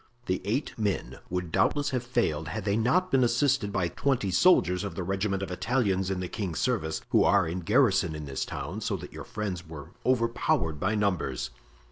"The eight men would doubtless have failed had they not been assisted by twenty soldiers of the regiment of Italians in the king's service, who are in garrison in this town so that your friends were overpowered by numbers."